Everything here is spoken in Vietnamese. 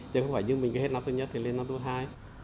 chứ không phải như mình cái hết năm thứ nhất thì lên năm thứ hai